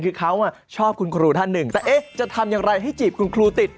คือเขาชอบคุณครูท่านหนึ่งแต่เอ๊ะจะทำอย่างไรให้จีบคุณครูติด